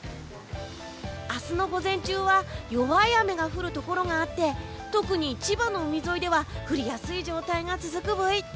明日の午前中は弱い雨が降るところがあって特に千葉の海沿いでは降りやすい状態が続くブイ。